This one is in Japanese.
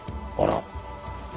あら！